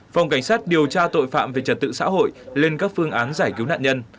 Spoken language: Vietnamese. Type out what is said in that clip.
phòng cảnh sát điều tra tội phạm về trật tự xã hội lên các phương án giải cứu nạn nhân